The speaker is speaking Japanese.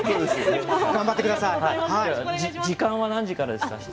時間は何時からですか？